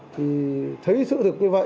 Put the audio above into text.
thì thấy sự thực như vậy